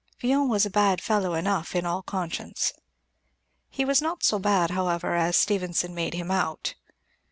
Villon was a bad fellow enough in all conscience. He was not so bad, however, as Stevenson made him out.